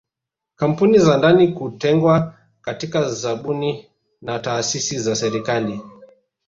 Kampuni za ndani kutengwa katika zabuni na taasisi za serikali